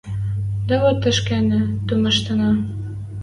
Дӓ вот тышкенӓ, тумыштенӓ